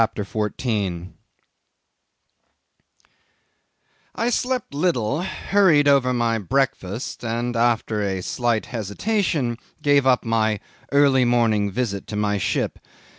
CHAPTER 14 'I slept little, hurried over my breakfast, and after a slight hesitation gave up my early morning visit to my ship.